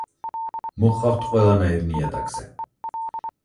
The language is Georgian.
მოჰყავთ ყველანაირ ნიადაგზე.